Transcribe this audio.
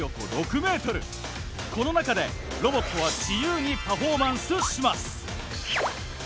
この中でロボットは自由にパフォーマンスします。